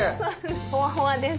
ほわほわです。